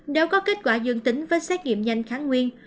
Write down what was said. nếu có kết quả dương tính với xét nghiệm nhanh kháng nguyên